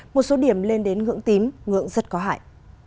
một số điểm lên đến ngưỡng tím ngưỡng rất có hại